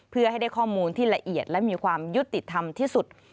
เพื่อให้ได้ข้อมูลที่ละเอียดและมีความยุติธรรมที่สุด